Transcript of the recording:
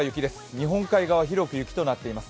日本海側、広く雪となっています。